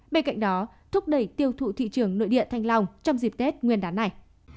bên cạnh đó thúc đẩy tiêu thụ thị trường nội địa thanh long trong dịp tết nguyên đán này